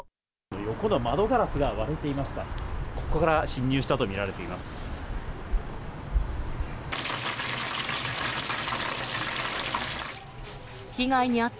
横の窓ガラスが割れていました。